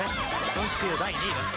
今週第２位です